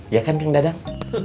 ya kan kang dadang